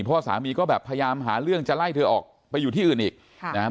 เพราะสามีก็แบบพยายามหาเรื่องจะไล่เธอออกไปอยู่ที่อื่นอีกค่ะนะครับ